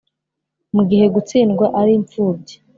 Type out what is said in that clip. mugihe gutsindwa ari impfubyi